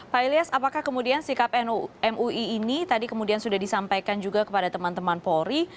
pak ilyas apakah kemudian sikap mui ini tadi kemudian sudah disampaikan juga kepada teman teman polri